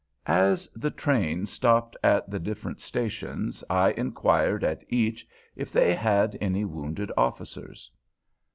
As the train stopped at the different stations, I inquired at each if they had any wounded officers.